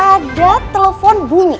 ada telepon bunyi